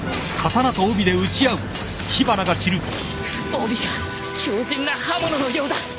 帯が強靭な刃物のようだ